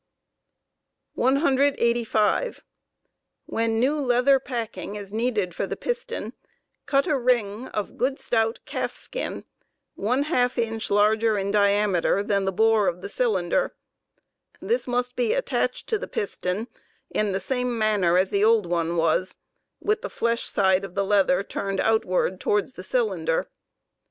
New packing. 185. When new leather packing is needed for the piston, cut a ring of good stout calfskin, one half inch larger in diameter than the bore of the cylinder; this must be attached to the piston in the same manner as the old one was, with the flesh side of the leather turned outward towards the cylinder.